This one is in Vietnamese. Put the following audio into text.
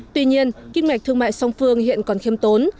tuy nhiên kinh mạch thương mại song phương hiện còn khiêm tốn